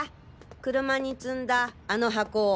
車に積んだあの箱を。